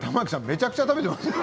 めちゃくちゃ食べてますよ。